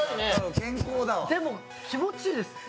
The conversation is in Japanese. でも、気持ちいいです。